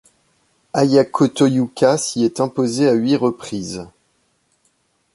Ayako Toyooka s'y est imposée à huit reprises.